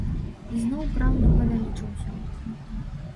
І зноў праўда, павялічыўся.